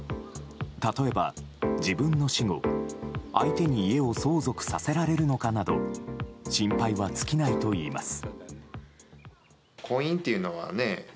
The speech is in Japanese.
例えば自分の死後、相手に家を相続させられるのかなど心配は尽きないといいます。